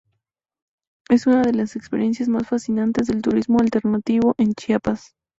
Es una de las experiencias más fascinantes de turismo alternativo en Chiapas.